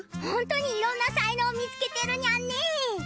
ホントにいろんな才能を見つけてるニャンね。